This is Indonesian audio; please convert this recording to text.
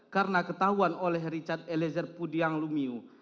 karena ketahuan oleh richard elezer pudiang lumiu